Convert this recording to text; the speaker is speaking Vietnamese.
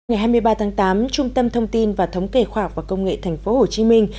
ngày hai mươi ba tháng tám trung tâm thông tin và thống kể khoa học và công nghệ thành phố hồ chí minh